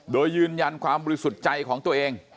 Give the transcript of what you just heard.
โดยยืนยันความบริสุทธิ์ใจของตัวเอง